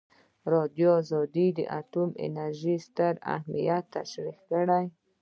ازادي راډیو د اټومي انرژي ستر اهميت تشریح کړی.